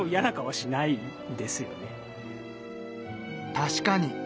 確かに。